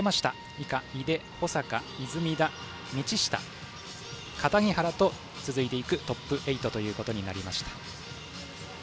以下、井手、保坂、出水田道下、樫原と続いていくトップ８となりました。